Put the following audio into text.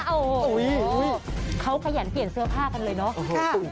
โอ้โหเขาขยันเปลี่ยนเสื้อผ้ากันเลยเนาะ